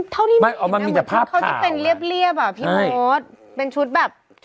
เท่านี้มีมันเหมือนชุดเป็นเรียบอ่ะพี่โมร์ตเป็นชุดแบบมันมันมีแต่ภาพผ่า